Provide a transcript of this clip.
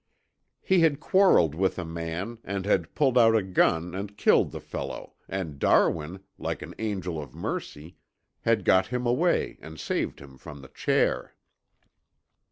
He had quarreled with a man and had pulled out a gun and killed the fellow and Darwin, like an angel of mercy, had got him away and saved him from the chair.